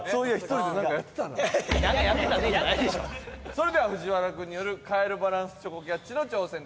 それでは藤原くんによるカエルバランスチョコキャッチの挑戦です。